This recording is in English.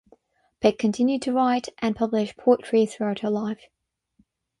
Peck continued to write and publish poetry throughout her life.